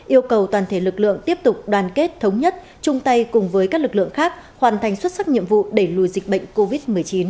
yêu cầu toàn thể lực lượng tiếp tục đoàn kết thống nhất chung tay cùng với các lực lượng khác hoàn thành xuất sắc nhiệm vụ đẩy lùi dịch bệnh covid một mươi chín